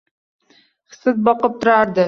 Hissiz boqib turardi.